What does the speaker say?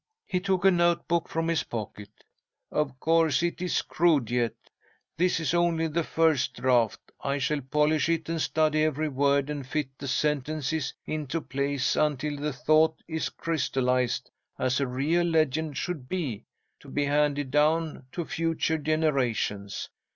He took a note book from his pocket. "Of course, it is crude yet. This is only the first draft. I shall polish it and study every word, and fit the sentences into place until the thought is crystallized as a real legend should be, to be handed down to future generations.